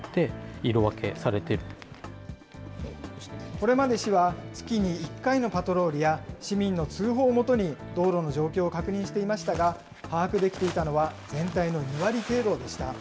これまで市は、月に１回のパトロールや、市民の通報をもとに道路の状況を確認していましたが、把握できていたのは全体の２割程度でした。